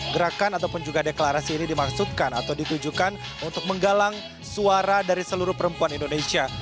gerakan ataupun juga deklarasi ini dimaksudkan atau ditujukan untuk menggalang suara dari seluruh perempuan indonesia